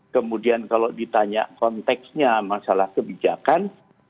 kemudian kalau ditanya konteksnya masalah kebijakan